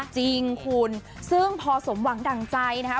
จริงคุณซึ่งพอสมหวังดั่งใจนะคะ